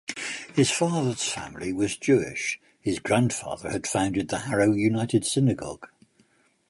His father's family was Jewish; his grandfather had founded the Harrow United Synagogue.